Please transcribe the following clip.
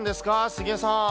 杉江さん。